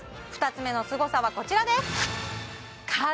２つ目のすごさはこちらです